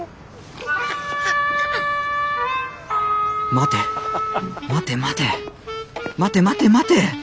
待て待て待て待て待て待て！